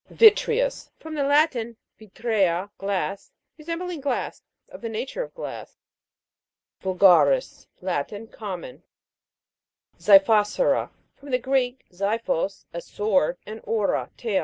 VI'TREOUS. From the Latin, vitrea, glass. Resembling glass ; of the nature of glass. VULGA'RIS. Latin. Common. XI'PHOSURA. From the Grcek, ziphos, a sword, and ovra, tail.